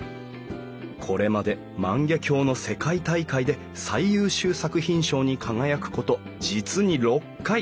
これまで万華鏡の世界大会で最優秀作品賞に輝くこと実に６回。